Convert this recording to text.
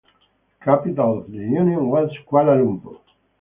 The capital of the Union was Kuala Lumpur.